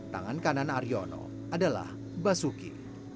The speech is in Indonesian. tangan kanan aryono adalah basuki